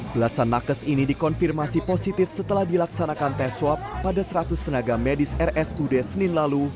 belasan nakes ini dikonfirmasi positif setelah dilaksanakan tes swab pada seratus tenaga medis rsud senin lalu